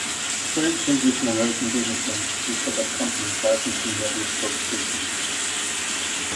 French, English, and American businessmen quickly set up companies licensing Yablochkov's patents.